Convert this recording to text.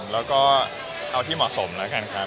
เราก็เอาที่เหมาะสมหนูก็ฟังครับ